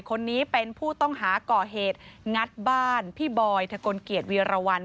คนนี้เป็นผู้ต้องหาก่อเหตุงัดบ้านพี่บอยทะกลเกียจวีรวรรณ